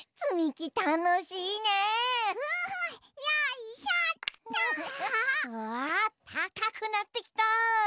うわたかくなってきた。